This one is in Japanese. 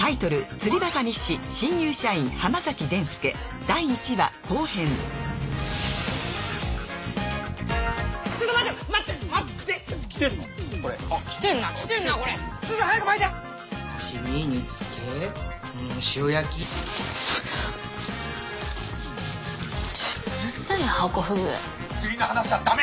釣りの話はダメ！